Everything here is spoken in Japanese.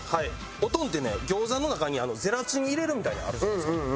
オトンってね餃子の中にゼラチン入れるみたいなあるじゃないですか。